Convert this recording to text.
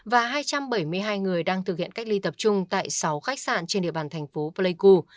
và hai trăm bảy mươi hai người đang thực hiện cách ly tập trung tại sáu khách sạn trên địa bàn thành phố pleiku